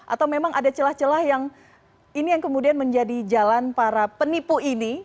atau memang ada celah celah yang ini yang kemudian menjadi jalan para penipu ini